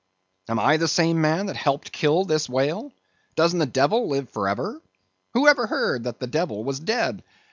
"Am I the same man that helped kill this whale? Doesn't the devil live for ever; who ever heard that the devil was dead?